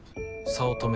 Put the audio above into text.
早乙女。